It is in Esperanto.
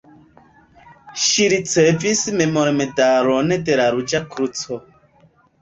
Ŝi ricevis memormedalon de la Ruĝa Kruco.